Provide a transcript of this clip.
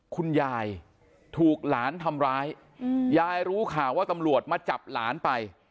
คุณยายถูกหลานทำร้ายยายรู้ข่าวว่าตำรวจมาจับหลานไป